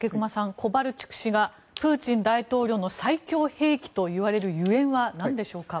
コバルチュク氏がプーチン大統領の最強兵器といわれるゆえんは何でしょうか？